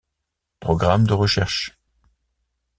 Programme de Recherche.